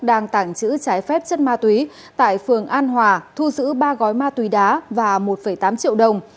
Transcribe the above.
đang tàng trữ trái phép chất ma túy tại phường an hòa thu giữ ba gói ma túy đá và một tám triệu đồng